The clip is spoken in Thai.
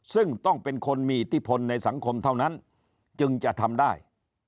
ซึ่งต้องเป็นคนมีอิทธิพลในสังคมเท่านั้นจึงจะทำได้